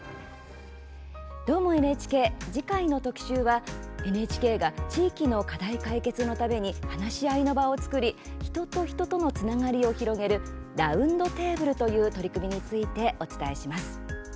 「どーも、ＮＨＫ」次回の特集はＮＨＫが地域の課題解決のために話し合いの場を作り人と人とのつながりを広げるラウンドテーブルという取り組みについてお伝えします。